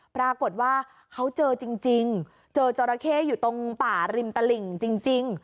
ปรากฏว่าเขาเจอจริงเจอจราเข้อยู่ตรงป่าริมตลิ่งจริง